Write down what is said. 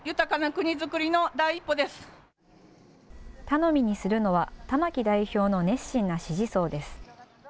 頼みにするのは、玉木代表の熱心な支持層です。